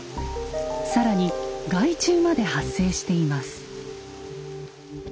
更に害虫まで発生しています。